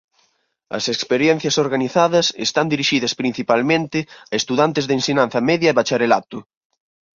As experiencias organizadas están dirixidas principalmente a estudantes de ensinanza media e bacharelato.